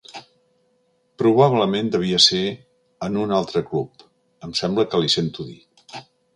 Probablement devia ser en un altre club, em sembla que li sento dir.